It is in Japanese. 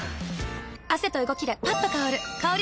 汗と動きでパッと香る香り